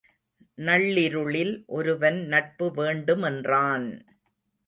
நள்ளிருளில் ஒருவன் நட்பு வேண்டுமென்றான்!